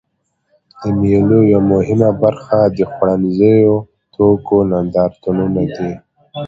د مېلو یوه مهمه برخه د خوړنیزو توکو نندارتونونه دي.